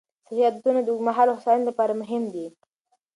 صحي عادتونه د اوږدمهاله هوساینې لپاره مهم دي.